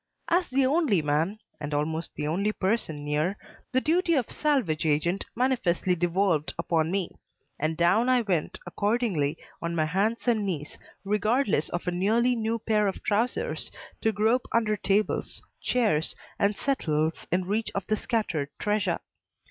As the only man and almost the only person near, the duty of salvage agent manifestly devolved upon me; and down I went, accordingly, on my hands and knees, regardless of a nearly new pair of trousers, to grope under tables, chairs and settles in reach of the scattered treasure.